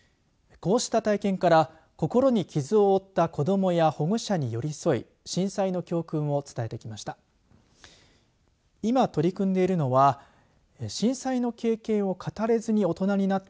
こうした体験から心に傷を負った子どもや保護者に寄り添い震災の教訓を伝えてきました。